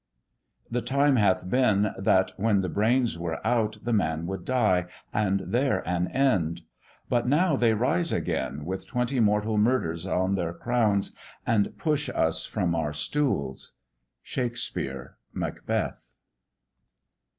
The time hath been, That, when the brains were out, the man would die, And there an end: but now they rise again, With twenty mortal murders on their crowns, And push us from our stools. SHAKESPEARE, Macbeth.